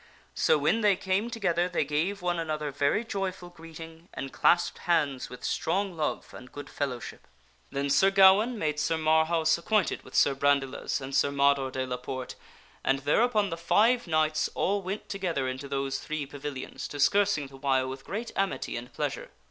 So when they came together they gave one another very joyful greeting and clasped hands with strong love and good fellowship. Then Sir Gawaine made Sir Marhaus acquainted with Sir Brandiles and Sir Mador de la Porte and thereupon the five knights all went together into those three pavilions, discoursing the while with great amity and pleasure.